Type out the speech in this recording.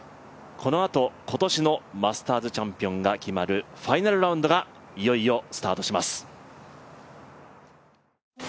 このあと今年のマスターズチャンピオンが決まるファイナルラウンドがいよいよスタートします。